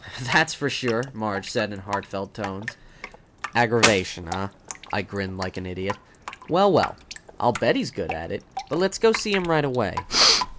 "That's for sure!" Marge said in heartfelt tones. "Aggravation, eh?" I grinned like an idiot. "Well, well! I'll bet he's good at it. But let's go see him right away."